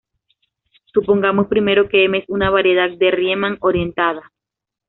Supongamos primero que M es una variedad de Riemann orientada.